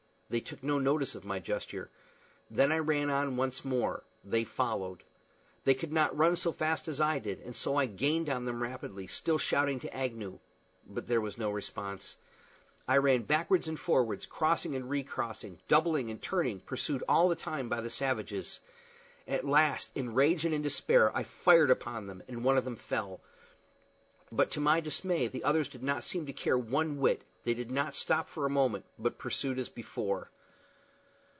They took no notice of my gesture. Then I ran on once more. They followed. They could not run so fast as I did, and so I gained on them rapidly, still shouting to Agnew. But there was no response. I ran backward and forward, crossing and recrossing, doubling and turning, pursued all the time by the savages. At last, in rage and despair, I fired upon them, and one of them fell. But, to my dismay, the others did not seem to care one whit; they did not stop for one moment, but pursued as before.